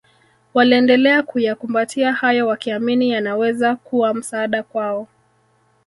waliendelea kuyakumbatia hayo wakiamini yanaweza kuwa msaada kwao